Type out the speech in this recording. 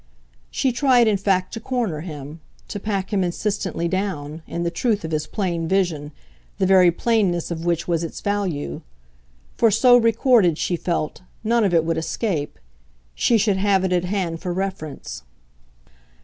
She tried in fact to corner him, to pack him insistently down, in the truth of his plain vision, the very plainness of which was its value; for so recorded, she felt, none of it would escape she should have it at hand for reference.